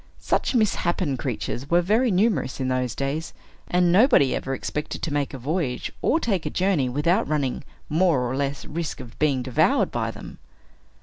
Such misshapen creatures were very numerous in those days; and nobody ever expected to make a voyage, or take a journey, without running more or less risk of being devoured by them.